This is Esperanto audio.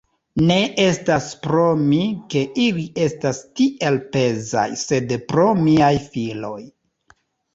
Ne estas pro mi, ke ili estas tiel pezaj, sed pro miaj filoj.